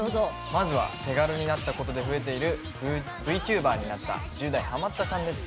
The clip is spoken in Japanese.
まずは手軽になったことで増えている「ＶＴｕｂｅｒになった１０代ハマったさん」です。